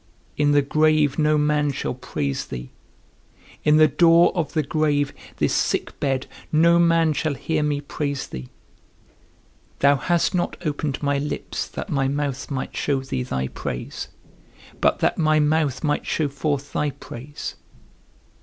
In the grave no man shall praise thee; in the door of the grave, this sick bed, no man shall hear me praise thee. Thou hast not opened my lips that my mouth might show thee thy praise, but that my mouth might show forth thy praise.